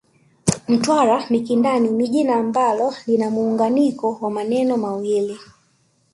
Mtwara Mikindani ni jina ambalo lina muunganiko wa maneno mawili